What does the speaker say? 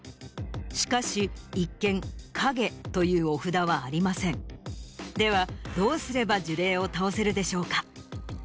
しかし一見「影」というお札はありませんではどうすれば呪霊を倒せるでしょうか？